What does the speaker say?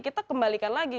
kita kembalikan lagi